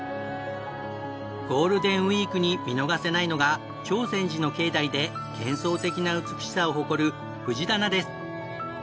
ゴールデンウィークに見逃せないのが長泉寺の境内で幻想的な美しさを誇る藤棚です。